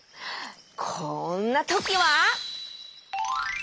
こんなときは！